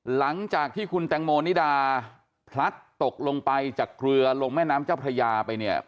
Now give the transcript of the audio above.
หลังจากที่คุณแตงโมนิดาพลัดตกลงไปจากเรือลงแม่น้ำเจ้าพระยาไปเนี่ย